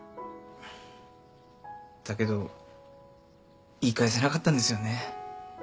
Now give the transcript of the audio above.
だけど言い返せなかったんですよね。